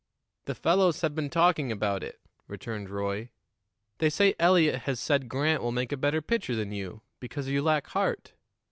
"The fellows have been talking about it," returned Roy. "They say Eliot has said Grant will make a better pitcher than you, because you lack heart."